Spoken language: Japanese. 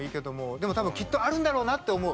でも多分きっとあるんだろうなって思う。